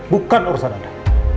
bukan urusan anda